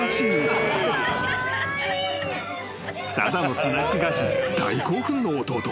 ［ただのスナック菓子に大興奮の弟］